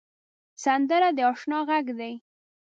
سندره د اشنا غږ دی